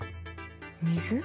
水？